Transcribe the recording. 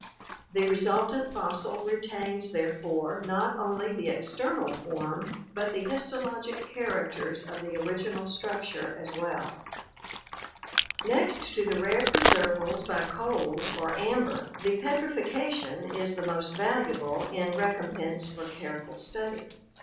The resultant fossil retains, therefore, not only the external form but the histologic characters (kistomelabasis, Gr. wtqy, tissue, and /icra£o(r«, exchange) of the original structure as well. Next to the rare preservals by cold or amber, the petrifaction is the most valuable in recompense for careful study.